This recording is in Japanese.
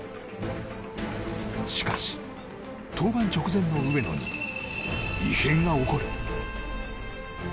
しかし、登板直前の上野に異変が起こる。